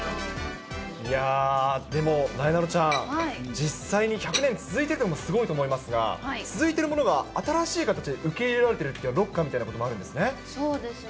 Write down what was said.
いやー、でも、なえなのちゃん、実際に１００年続いてもすごいと思いますが、続いてるものが新しい形で受け入れられてるっていうロッカーみたそうですね。